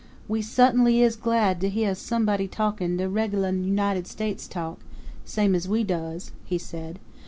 "We suttin'ly is glad to heah somebody talkin' de reg'lar New 'Nited States talk, same as we does," he said.